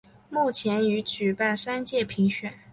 目前已举办三届评选。